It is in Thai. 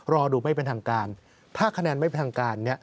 รอดูไม่เป็นทางการ